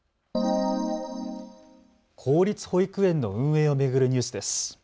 公立保育園の運営を巡るニュースです。